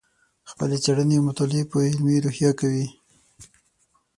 خپلې څېړنې او مطالعې په علمي روحیه کوې.